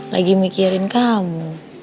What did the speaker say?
lagi mikirin kamu